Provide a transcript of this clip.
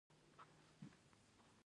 مقالې باید په انګلیسي ژبه وي.